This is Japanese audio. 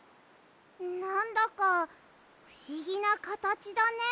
なんだかふしぎなかたちだね。